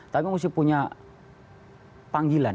tapi mesti punya panggilan